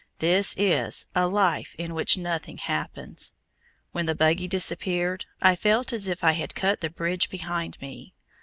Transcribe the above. This is "a life in which nothing happens." When the buggy disappeared, I felt as if I had cut the bridge behind me.